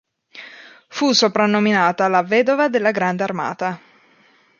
Fu soprannominata la "vedova della grande armata".